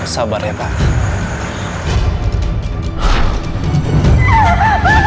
sabar ya pak